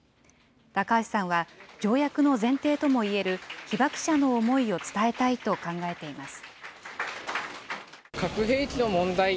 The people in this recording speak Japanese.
高橋さんは条約の前提ともいえる被爆者の思いを伝えたいと考えています。